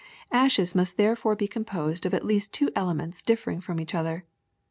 '^ Ashes must therefore be composed of at least two elements differing from each other.